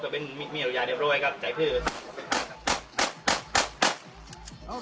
จะเป็นมีอย่างเรียบร้อยครับใจพืช